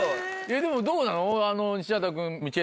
でもどうなの？